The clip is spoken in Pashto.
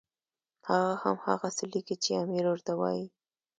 هغه هم هغه څه لیکي چې امیر ورته وایي.